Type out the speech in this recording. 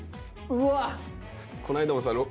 うわっ！